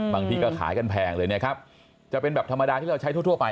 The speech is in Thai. ที่ก็ขายกันแพงเลยนะครับจะเป็นแบบธรรมดาที่เราใช้ทั่วไป